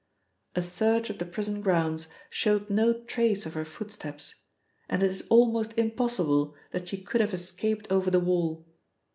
'A search of the prison grounds showed no trace of her footsteps, and it is almost impossible that she could have escaped over the wall.